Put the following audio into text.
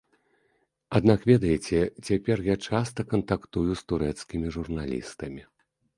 Аднак, ведаеце, цяпер я часта кантактую з турэцкімі журналістамі.